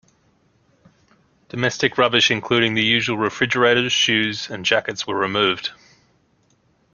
Domestic rubbish including the usual refrigerators, shoes, and jackets were removed.